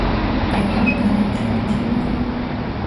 ბევრია გადამფრენი ფრინველი.